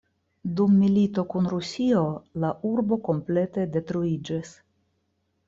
Dum milito kun Rusio, la urbo komplete detruiĝis.